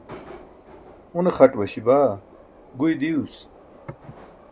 une xaṭ waśi baa guyi diyuus